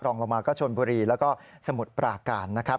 ลงมาก็ชนบุรีแล้วก็สมุทรปราการนะครับ